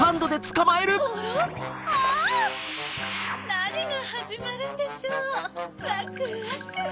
なにがはじまるんでしょうワクワク。